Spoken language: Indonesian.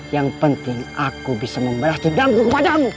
yang penting aku bisa membalas tudanganmu